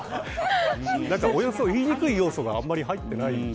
いいにくい要素があまり入っていない。